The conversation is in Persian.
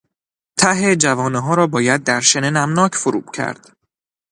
ته جوانهها را باید در شن نمناک فرو کرد.